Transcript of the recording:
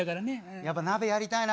やっぱ鍋やりたいな。